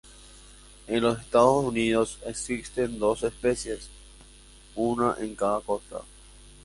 En los Estados Unidos existen dos especies, una en cada costa.